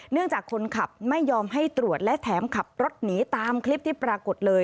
จากคนขับไม่ยอมให้ตรวจและแถมขับรถหนีตามคลิปที่ปรากฏเลย